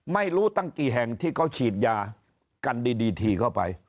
ไม่รู้ตั้งกี่แห่งที่เขาฉีดยากันดีทีเข้าไป